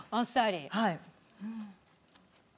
はい。